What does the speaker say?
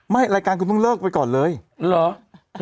ไม่รายการต้องเลิกไปก่อนเลยเหรอ